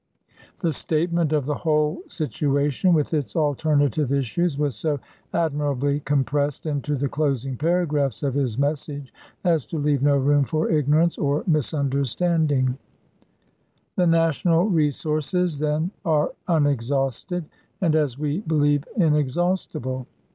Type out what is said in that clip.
The statement of the whole situation with its alternative issues was so admirably compressed into the closing paragraphs of his message as to leave no room for ignorance or misunderstanding : The National resources, then, are unexhausted, and, as we Dec. 6, 1864. believe, inexhaustible.